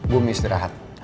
gue mau istirahat